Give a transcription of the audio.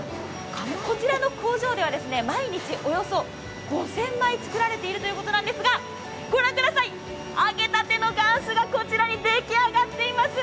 こちらの工場では、毎日およそ５０００枚作られているということなんですが、御覧ください、揚げたてのがんすがこちらに出来上がっています。